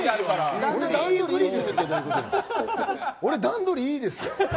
俺、段取り良いですよ。